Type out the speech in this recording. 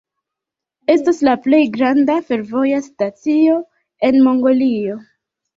Estas la plej granda fervoja stacio en Mongolio.